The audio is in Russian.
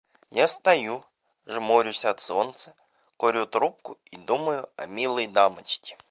Я стою, жмурюсь от солнца, курю трубку и думаю о милой дамочке.